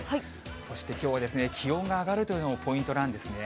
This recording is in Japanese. そして、きょうはですね、気温が上がるというのもポイントなんですね。